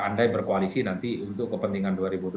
andai berkoalisi nanti untuk kepentingan dua ribu dua puluh